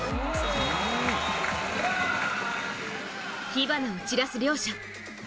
火花を散らす両者。